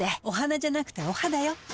お花じゃなくてお肌よ。